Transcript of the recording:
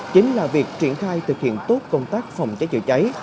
chính là việc triển khai thực hiện tốt công tác phòng cháy chữa cháy